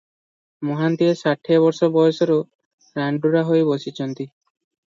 ମହାନ୍ତିଏ ଷାଠିଏ ବର୍ଷ ବୟସରୁ ରାଣ୍ଡୁରା ହୋଇ ବସିଛନ୍ତି ।